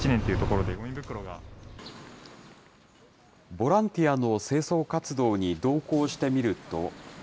ボランティアの清掃活動に同行してみると。